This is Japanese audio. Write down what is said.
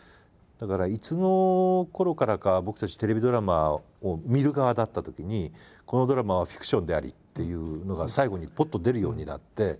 だからいつのころからか僕たちテレビドラマを見る側だったときに「このドラマはフィクションであり」っていうのが最後にポッと出るようになって。